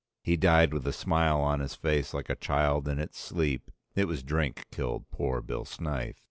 He died with a smile on his face like a child in its sleep; it was drink killed poor Bill Snyth.